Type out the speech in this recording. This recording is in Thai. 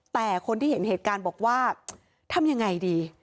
แต่คนที่เห็นเหตุการณ์บอกว่าทำยังไงดี